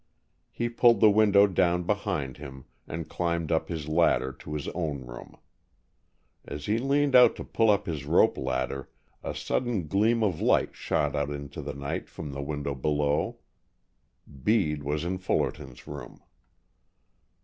He pulled the window down behind him and climbed up his ladder to his own room. As he leaned out to pull up his rope ladder, a sudden gleam of light shot out into the night from the window below. Bede was in Fullerton's room.